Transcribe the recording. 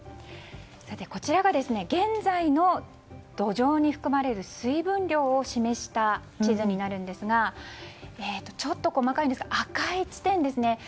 こちらが現在の土壌に含まれる水分量を示した地図ですがちょっと細かいですが赤い地点ですね。